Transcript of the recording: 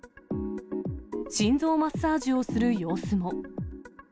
心臓マッサージをする様子も。